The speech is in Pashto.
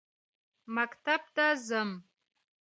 مکتب ته ځم.